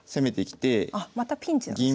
あまたピンチなんですね。